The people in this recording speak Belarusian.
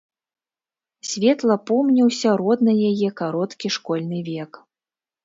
Светла помніўся роднай яе кароткі школьны век.